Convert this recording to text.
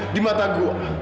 di mata gue